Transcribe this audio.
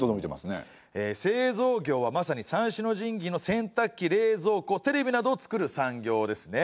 製造業はまさに三種の神器のせんたくき冷蔵庫テレビなどを作る産業ですね。